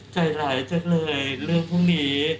ใจร้ายจังเลยเรื่องพวกนี้